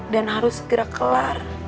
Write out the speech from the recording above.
dan harus segera kelar